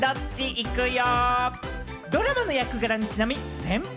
いくよ。